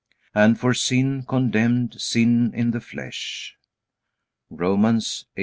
"And for sin, condemned sin in the flesh," Romans 8:3.